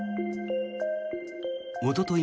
おととい